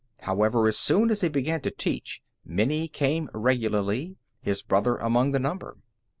However, as soon as he began to teach, many came regularly, his brother among the number.